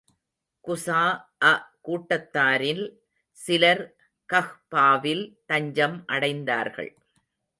குஸாஅ கூட்டத்தாரில் சிலர் கஃபாவில் தஞ்சம் அடைந்தார்கள்.